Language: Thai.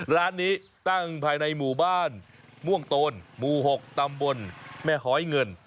ร้านนี้ตั้งภายในหมู่บ้านม่วงโตนหมู่๖ตำบลแม่หอยเงิน